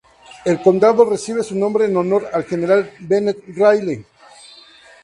El condado recibe su nombre en honor al general Bennet Riley.